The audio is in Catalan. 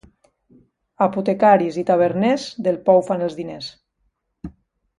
Apotecaris i taverners, del pou fan els diners.